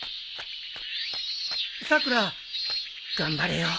さくら頑張れよ。